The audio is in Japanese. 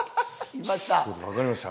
わかりました。